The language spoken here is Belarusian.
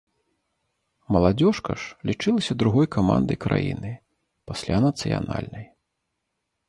Маладзёжка ж лічылася другой камандай краіны, пасля нацыянальнай.